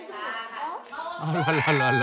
あらららら。